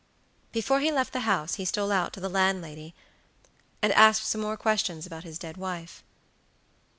"Before he left the house he stole out to the landlady, and asked some more questions about his dead wife.